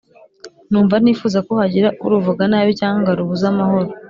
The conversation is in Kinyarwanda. numva ntifuza ko hagira uruvuga nabi cyangwa ngo arubuze amahoro.